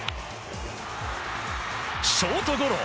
ショートゴロ。